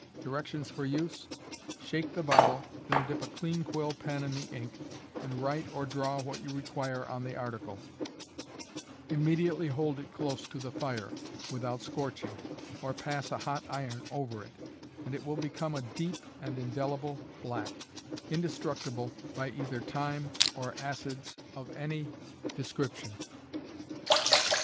Directions for use: Shake the bottle, then dip a clean quill pen in the ink, and write or draw what you require on the article; immediately hold it close to the fire (without scorching), or pass a hot iron over it, and it will become a deep and indelible black, indestructible by either time or acids of any description.